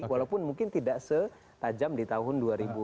walaupun mungkin tidak setajam di tahun dua ribu dua